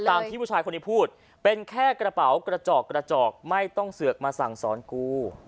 ที่ผู้ชายคนนี้พูดเป็นแค่กระเป๋ากระจอกกระจอกไม่ต้องเสือกมาสั่งสอนกู